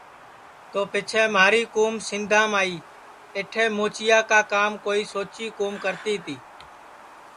تو پیچھیں مہاری کُوم سندھام آئی اٹھے موچیا کا کام کوئی سوچی کُوم کرتی تی